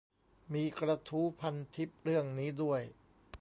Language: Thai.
มีกระทู้พันทิปเรื่องนี้ด้วย